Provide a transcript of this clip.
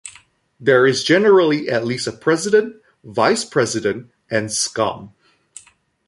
There is generally at least a president, vice-president and scum.